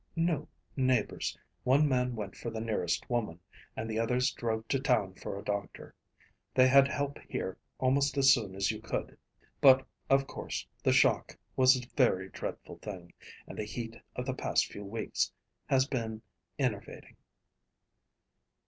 "No, neighbors. One man went for the nearest woman, and the other drove to town for a doctor. They had help here almost as soon as you could. But, of course, the shock was a very dreadful thing, and the heat of the past few weeks has been enervating."